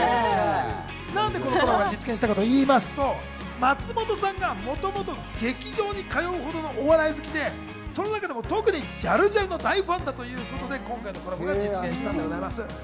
何でこのコラボが実現したかと言いますと、松本さんがもともと劇場に通うほどのお笑い好きで、その中でも特にジャルジャルの大ファンだということで、今回のコラボが実現したんでございます。